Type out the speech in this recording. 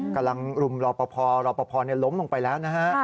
รุมรอปภรอปภล้มลงไปแล้วนะฮะ